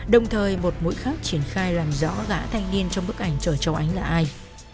đồng thời một mũi khác triển khai làm rõ gã thanh niên trong bức ảnh chờ cháu ánh là ai